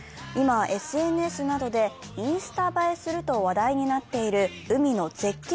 今、ＳＮＳなどでインスタ映えすると話題になっている海の絶景